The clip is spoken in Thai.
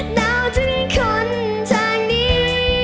หนาวถึงคนทางนี้